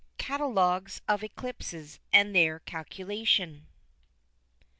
CATALOGUES OF ECLIPSES: AND THEIR CALCULATION.